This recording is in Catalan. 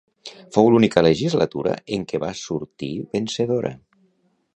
Fou l'única legislatura en què va sortir vencedora?